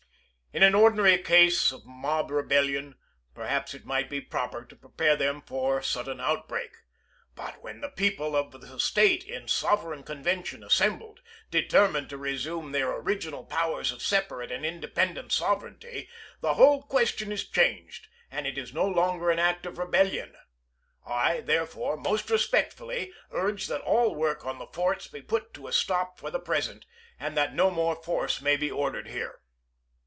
In an ordinary case of mob rebellion, perhaps it might be proper to prepare them for sudden outbreak. But when the people of the State, in sovereign convention as sembled, determine to resume their original powers of separate and independent sovereignty, the whole question is changed, and it is no longer an act of rebellion. I, therefore, most respectfully urge that all work on the forts be put a stop to for the present, and that no more force may be ordered there.